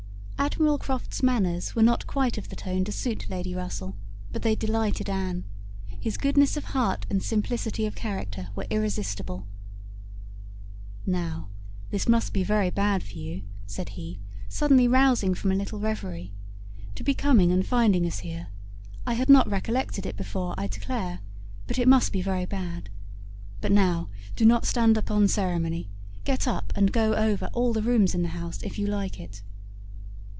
Admiral Croft's manners were not quite of the tone to suit Lady Russell, but they delighted Anne. His goodness of heart and simplicity of character were irresistible. "Now, this must be very bad for you," said he, suddenly rousing from a little reverie, "to be coming and finding us here. I had not recollected it before, I declare, but it must be very bad. But now, do not stand upon ceremony. Get up and go over all the rooms in the house if you like it."